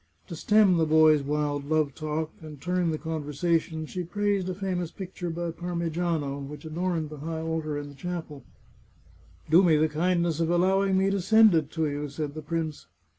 To stem the boy's wild love talk, and turn the conversa tion, she praised a famous picture by Parmegiano, which adorned the high altar in the chapel. " Do me the kindness of allowing me to send it to you," said the prince.